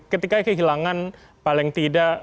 ketika kehilangan paling tidak